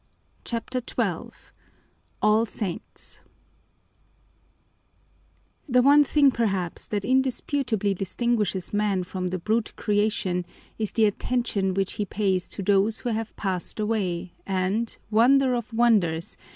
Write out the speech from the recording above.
CHAPTER XII All Saints The one thing perhaps that indisputably distinguishes man from the brute creation is the attention which he pays to those who have passed away and, wonder of wonders!